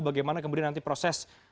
bagaimana kemudian nanti proses